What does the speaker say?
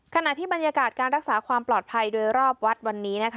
ขณะที่บรรยากาศการรักษาความปลอดภัยโดยรอบวัดวันนี้นะคะ